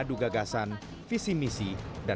kpu juga mencari keputusan untuk mencari keputusan